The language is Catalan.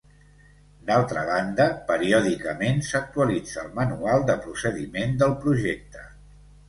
D'altra banda, periòdicament s'actualitza el Manual de Procediment del Projecte.